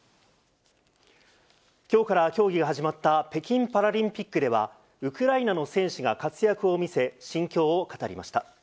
きょうから競技が始まった北京パラリンピックでは、ウクライナの選手が活躍を見せ、心境を語りました。